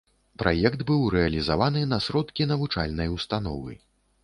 Праект быў рэалізаваны на сродкі навучальнай установы.